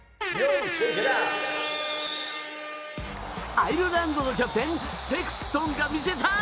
アイルランドのキャプテンセクストンが見せた！